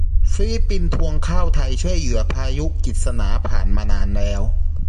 ฟิลิปปินส์ทวงข้าวไทยช่วยเหยื่อพายุกิสนา ผ่านมานานแล้ว